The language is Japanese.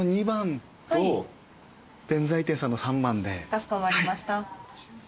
かしこまりました。